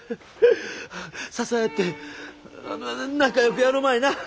支え合ってあ仲よくやろまいな！